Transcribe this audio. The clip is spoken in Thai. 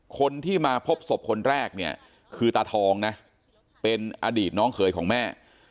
คนที่มาพบศพคนแรกเนี่ยคือตาทองนะเป็นอดีตน้องเขยของแม่